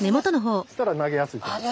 そしたら投げやすいと思います。